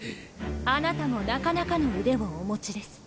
あなたもなかなかの腕をお持ちです。